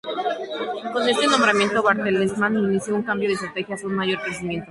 Con este nombramiento, Bertelsmann inició un cambio de estrategia hacia un mayor crecimiento.